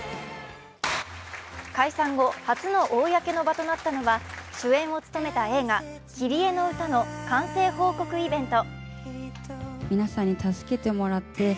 解散後、初の公の場となったのは主演を務めた映画「キリエのうた」の完成報告イベント。